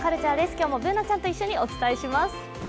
今日もＢｏｏｎａちやんと一緒にお伝えします。